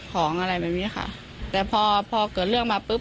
ของอะไรแบบนี้ค่ะแต่พอพอเกิดเรื่องมาปุ๊บ